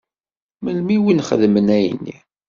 Melmi i wen-xedmen ayenni?